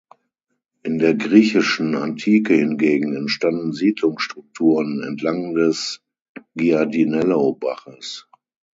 In der griechischen Antike hingegen entstanden Siedlungsstrukturen entlang des Giardinello-Baches.